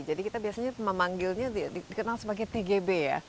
jadi kita biasanya memanggilnya dikenal sebagai tgb ya